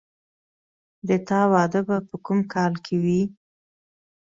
د تا واده به په کوم کال کې وي